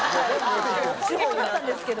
手法だったんですけど。